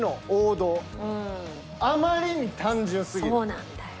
そうなんだよ。